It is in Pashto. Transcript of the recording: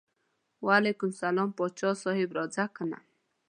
وعلیکم السلام پاچا صاحب راځه کنه.